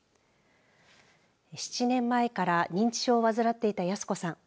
７年前から認知症を患っていた泰子さん。